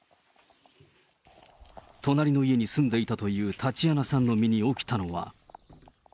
隣の家に住んでいたというタチアナさんの身に起きたのは。